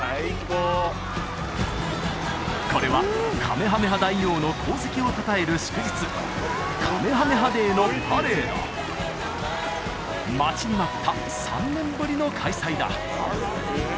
これはカメハメハ大王の功績をたたえる祝日カメハメハデーのパレード待ちに待った３年ぶりの開催だ